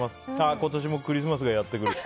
今年もクリスマスがやってくる。